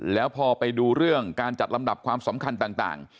แล้วพอไปดูเรื่องการจัดลำดับความสำคัญต่าง